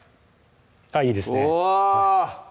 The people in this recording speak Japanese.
あっいいですねお！